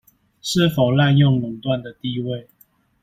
是否濫用壟斷的地位